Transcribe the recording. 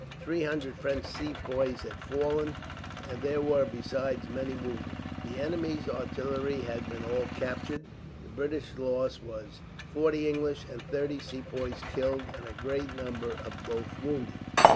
Three hundred French Sepoys had fallen. There were, besides, many wounded. The enemy's artillery had been all captured. The British loss was forty English and thirty Sepoys killed, and a great number of both wounded.